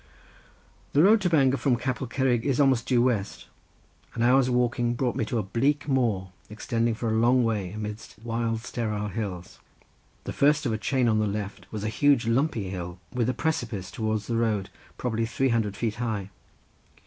The road to Bangor from Capel Curig is almost due west. An hour's walking brought me to a bleak moor, extending for a long way amidst wild sterile hills. The first of a chain on the left was a huge lumpy hill with a precipice towards the road probably three hundred feet high.